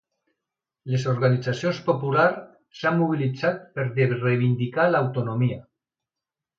Les organitzacions populars s'han mobilitzat per reivindicar l'autonomia.